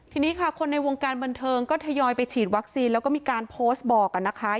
ทีนี้ค่ะคนในวงการบันเทิงก็ทยอยไปฉีดวัคซีนแล้วก็มีการโพสต์บอกนะคะ